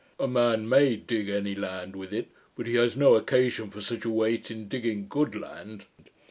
A man MAY dig any land with it; but he has no occasion for such a weight in digging good land.